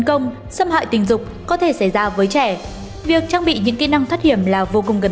công xâm hại tình dục có thể xảy ra với trẻ việc trang bị những kỹ năng thoát hiểm là vô cùng gần